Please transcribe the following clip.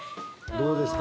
どうですか？